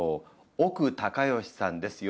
奥隆善さんです。